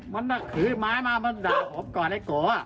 มันถือไม้มามันด่าผมก่อนไอ้โก